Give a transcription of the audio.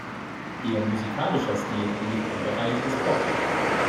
Ihr musikalischer Stil liegt im Bereich des Pop.